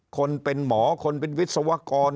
คนเป็นหมอคนเป็นวิศวกร